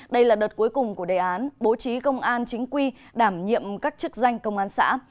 đây là đợt cuối cùng của đề án bố trí công an chính quy đảm nhiệm các chức danh công an xã